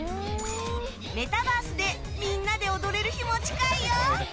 メタバースでみんなで踊れる日も近いよ！